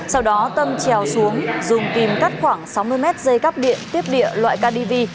sau đó tâm trèo xuống dùng kim cắt khoảng sáu mươi m dây cắp điện tiếp địa loại kdv